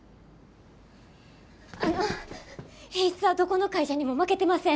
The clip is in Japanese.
あの品質はどこの会社にも負けてません。